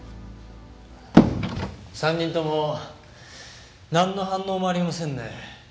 ３人ともなんの反応もありませんねえ。